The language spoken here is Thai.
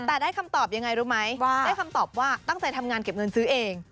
แต่ได้คำตอบยังไงรู้ไหมว่าได้คำตอบว่าตั้งใจทำงานเก็บเงินซื้อเอง